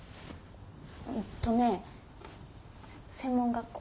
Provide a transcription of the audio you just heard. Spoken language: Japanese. えっとね専門学校。